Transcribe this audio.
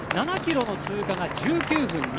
７ｋｍの通過が１９分２５秒。